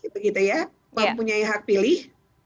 mempunyai hak pilih